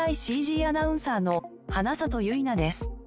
アナウンサーの花里ゆいなです。